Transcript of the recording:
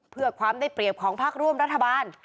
เพื่อความได้เปรียบของพักร่วมรัฐบาล